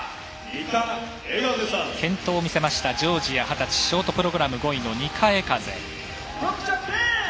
健闘を見せましたジョージアの二十歳ショートプログラム５位のニカ・エカゼ。